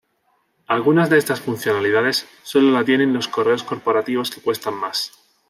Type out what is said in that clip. Algunas de estas funcionalidades solo la tienen los correos corporativos que cuestan mas.